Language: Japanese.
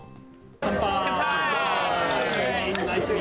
乾杯！